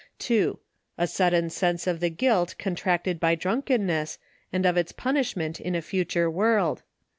2. A sudden sense of the guilt contracted by drunk enness, and of its punishment in a future world.